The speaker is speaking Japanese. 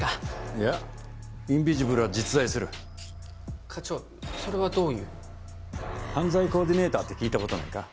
いやインビジブルは実在する課長それはどういう犯罪コーディネーターって聞いたことないか？